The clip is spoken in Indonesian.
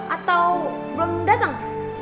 atau belum datang